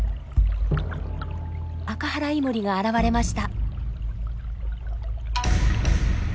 アカハライモリが現れました。